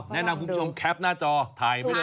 แนะนำคุณผู้ชมแคปหน้าจอถ่ายไว้ด้วย